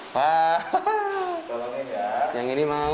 pak yang ini mau